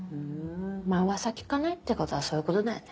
噂聞かないってことはそういうことだよね。